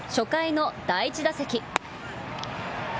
初回の第１打席。